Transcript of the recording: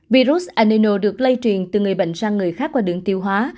virus enino được lây truyền từ người bệnh sang người khác qua đường tiêu hóa